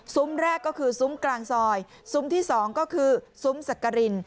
แรกก็คือซุ้มกลางซอยซุ้มที่สองก็คือซุ้มสักกริน